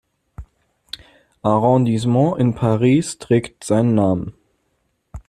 Arrondissements in Paris trägt seinen Namen.